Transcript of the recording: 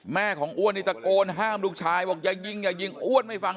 แม่ของอ้วนนี่ตะโกนห้ามลูกชายบอกอย่ายิงอย่ายิงอ้วนไม่ฟัง